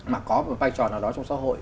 mà có một vai trò nào đó trong xã hội